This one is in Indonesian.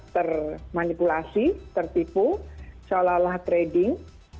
termanipulasi tertipu seolah olah trading